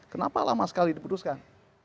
kenapa lama sekali diputuskan